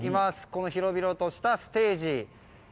この広々としたステージ。